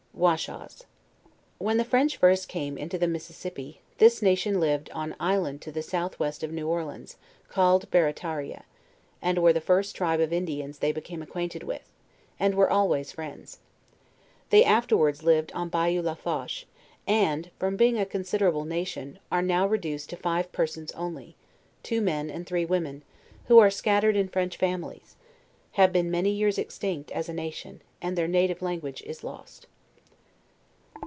WASHAS. When the French first came into the Missis sippi, this nation lived on an island to the southwest of New Orleans, called Barritaria, and were the first tribe of Indi ans they become acquainted with, and were always friends. They afterwards lived on Bayou La Fosh; and, from being a considerable nation, are now reduced to five persons only, two men and three women, who are scattered in French fam ilies; have been many years extinct, as a nation, and their native language is lost.